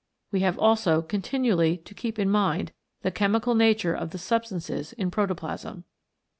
We have also continually to keep in mind the chemical nature of the substances in protoplasm.